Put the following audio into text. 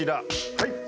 はい！